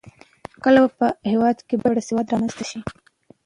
کله به په هېواد کې بشپړ سواد رامنځته شي؟